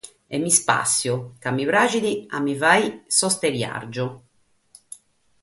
E m'ispàssio, ca mi praghet a fàghere s'osteriàrgiu.